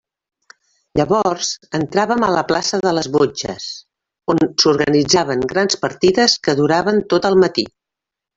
Llavors entràvem a la plaça de les botxes, on s'organitzaven grans partides que duraven tot el matí.